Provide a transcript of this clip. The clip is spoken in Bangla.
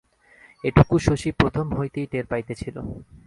এটুকু শশী প্রথম হইতেই টের পাইতেছিল।